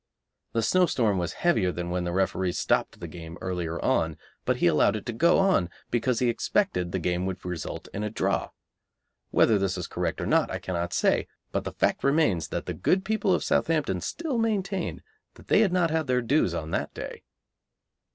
The snowstorm was heavier than when the referee stopped the game earlier on, but he allowed it to go on because he expected the game would result in a draw. Whether this is correct or not I cannot say, but the fact remains that the good people of Southampton still maintain that they had not their dues on that day.